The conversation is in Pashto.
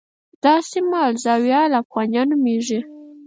دا سیمه الزاویة الافغانیه نومېږي.